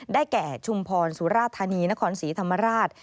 แก่ชุมพรสุราธานีนครศรีธรรมราช